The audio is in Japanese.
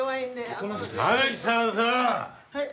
はい。